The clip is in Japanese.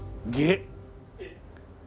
えっ？